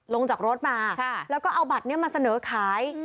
ลงจากรถมาแล้วก็เอาบัตรนี้มาเสนอขาย